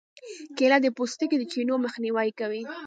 کېله د پوستکي د چینو مخنیوی کوي.